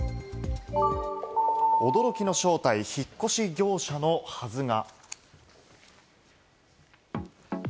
驚きの正体、引っ越し業者のはずが。